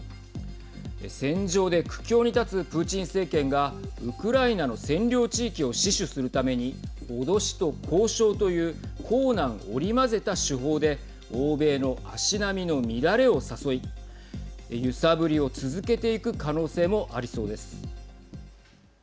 戦場で苦境に立つプーチン政権がウクライナの占領地域を死守するために脅しと交渉という硬軟織り交ぜた手法で欧米の足並みの乱れを誘い揺さぶりを続けていく可能性もありそうです。